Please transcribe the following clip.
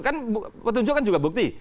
kan petunjuk kan juga bukti